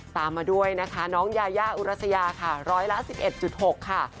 ตามมาด้วยนะคะน้องยายาอุรัสยาค่ะร้อยละ๑๑๖ค่ะ